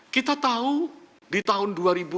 kita tahu di tahun dua ribu enam belas dua ribu tujuh belas